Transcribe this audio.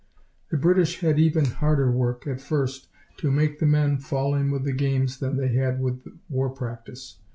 The British had even harder work, at first, to make the men fall in with the games than they had with war practice.